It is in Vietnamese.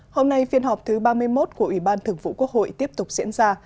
hôm nay phiên họp thứ ba mươi một của ủy ban thường vụ quốc hội tiếp tục diễn ra